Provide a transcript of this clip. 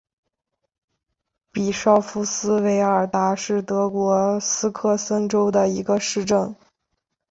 比绍夫斯韦尔达是德国萨克森州的一个市镇。